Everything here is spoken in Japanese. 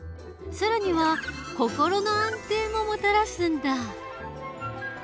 更には心の安定ももたらすんだ。